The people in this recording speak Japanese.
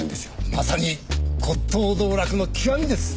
まさに骨董道楽の極みです！